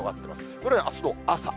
これがあすの朝。